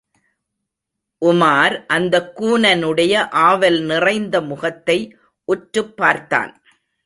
உமார் அந்தக் கூனனுடைய ஆவல் நிறைந்த முகத்தை உற்றுப் பார்த்தான்.